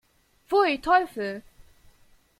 Pfui, Teufel!